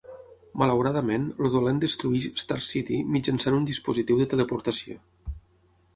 Malauradament, el dolent destrueix Star City mitjançant un dispositiu de teleportació.